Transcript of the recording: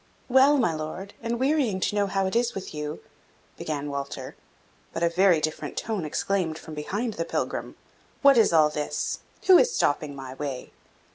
"Well, my Lord, and wearying to know how it is with you " began Walter but a very different tone exclaimed from behind the pilgrim, "What is all this? Who is stopping my way?